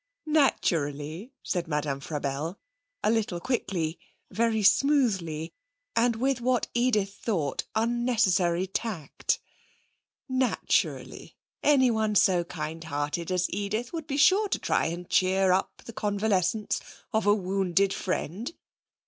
'Naturally,' said Madame Frabelle, a little quickly, very smoothly, and with what Edith thought unnecessary tact. 'Naturally. Anyone so kind hearted as Edith would be sure to try and cheer up the convalescence of a wounded friend.